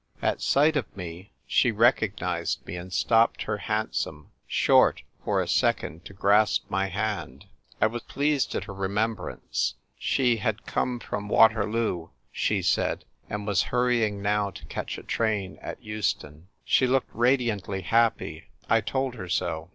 At sight of me she recognised me, and stopped her hansom short for a second to grasp my hand. I was pleased at her remem brance. She had come from Waterloo, she said, and was hurrying now to catch a train at Euston. She looked radiantly happy ; I told her so.